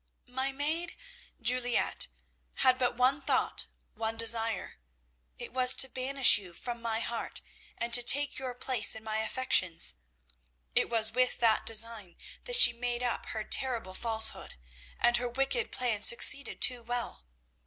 My maid, Juliette, had but one thought, one desire. It was to banish you from my heart and to take your place in my affections. It was with that design that she made up her terrible falsehood, and her wicked plan succeeded too well.